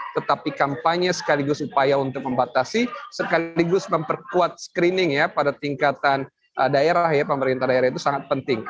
tetapi kampanye sekaligus upaya untuk membatasi sekaligus memperkuat screening ya pada tingkatan daerah ya pemerintah daerah itu sangat penting